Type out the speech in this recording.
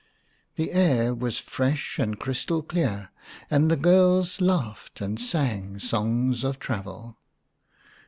The air was fresh and crystal clear, and the girls laughed and sang songs of travel.